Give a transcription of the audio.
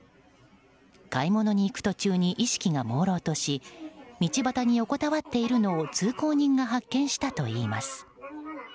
買い物に行く途中に意識がもうろうとし道端に横たわっているのを通行人が発見したといいます。